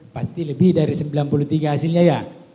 pasti lebih dari sembilan puluh tiga hasilnya ya